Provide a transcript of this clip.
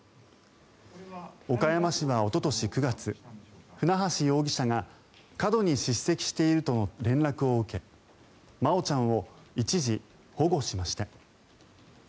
岡山市はおととし９月船橋容疑者が過度にしっ責しているとの連絡を受け真愛ちゃんを一時保護しました。